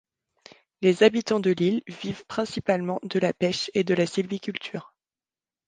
Les habitants de l'île vivent principalement de la pêche et de la sylviculture.